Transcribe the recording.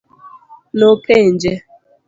Nopenje.